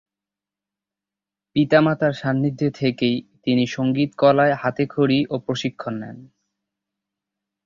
পিতা-মাতার সান্নিধ্যে থেকেই তিনি সঙ্গীতকলায় হাতে খড়ি ও প্রশিক্ষণ নেন।